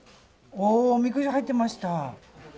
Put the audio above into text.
おみくじ入ってました。